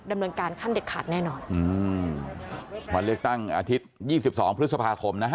ดำเนินการขั้นเด็ดขาดแน่นอนวันเลือกตั้งอาทิตย์๒๒พฤษภาคมนะ